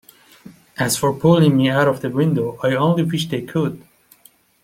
As for pulling me out of the window, I only wish they could!